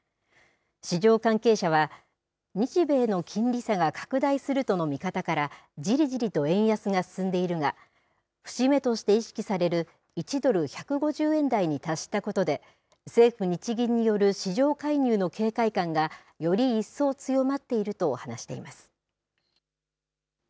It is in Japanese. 市場関係者は、日米の金利差が拡大するとの見方から、じりじりと円安が進んでいるが、節目として意識される１ドル１５０円台に達したことで、政府・日銀による市場介入の警戒感が、より一層強まっていると話しています。